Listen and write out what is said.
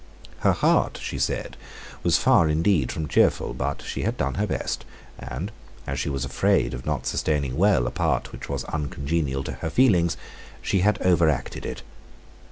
Her heart, she said, was far indeed from cheerful; but she had done her best; and, as she was afraid of not sustaining well a part which was uncongenial to her feelings, she had overacted it.